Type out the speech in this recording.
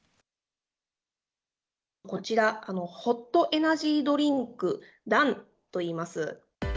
こちら、ホットエナジードリンク暖といいます。